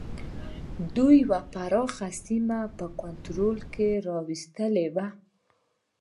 دوی یوه پراخه سیمه په کنټرول کې را وستلې وه.